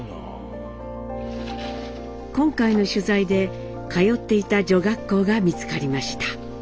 今回の取材で通っていた女学校が見つかりました。